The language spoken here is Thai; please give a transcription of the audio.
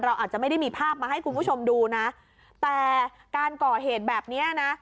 อาจจะไม่ได้มีภาพมาให้คุณผู้ชมดูนะแต่การก่อเหตุแบบเนี้ยนะ